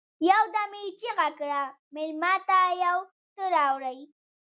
يودم يې چيغه کړه: مېلمه ته يو څه راوړئ!